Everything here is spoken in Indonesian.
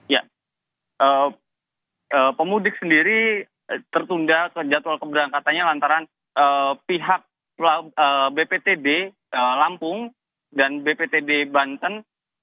ya pemudik sendiri tertunda jadwal keberangkatannya lantaran pihak bptd lampung dan bptd banten